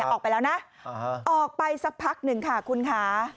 ออกไปแล้วนะออกไปสักพักหนึ่งค่ะคุณค่ะ